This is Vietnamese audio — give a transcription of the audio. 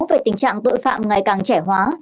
về tình trạng tội phạm ngày càng trẻ hóa